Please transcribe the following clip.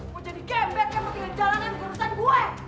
mau jadi gembet ya mau tinggal di jalanan urusan gue